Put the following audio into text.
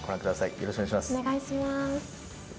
よろしくお願いします。